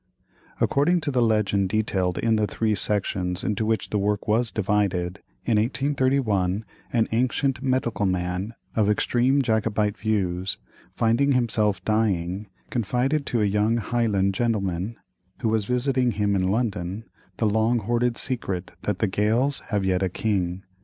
According to the legend detailed in the three sections into which the work was divided, in 1831 an ancient medical man, of extreme Jacobite views, finding himself dying, confided to a young Highland gentleman, who was visiting him in London, the long hoarded secret that the Gaels "have yet a king."